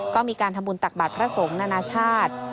ก็มีการทำบุญตักบาทพระสงฆ์นานาชาติ